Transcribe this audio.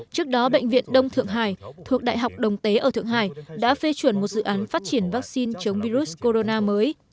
trước đó bệnh viện đông thượng hải thuộc đại học đồng tế ở thượng hải đã phê chuẩn một dự án phát triển vaccine chống virus corona mới